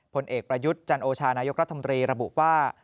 ผลเอกประยุทธ์จันโอชานายกรัฐมนตรีระบุว่า